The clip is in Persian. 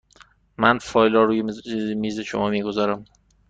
من فایل را روی میز شما می گذارم.